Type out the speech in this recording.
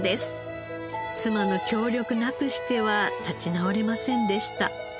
妻の協力なくしては立ち直れませんでした。